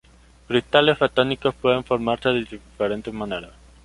Cristales fotónicos pueden formarse de diferentes maneras.